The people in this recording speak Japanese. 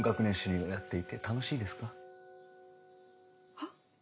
はっ？